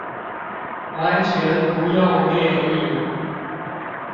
完全不用列印